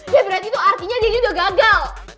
ya berarti tuh artinya daddy udah gagal